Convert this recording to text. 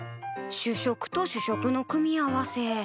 主食と主食の組み合わせ。